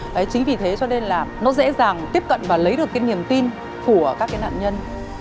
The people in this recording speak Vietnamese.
đấy chính vì thế cho nên là nó dễ dàng tiếp cận và lấy được cái niềm tin của các cái nạn nhân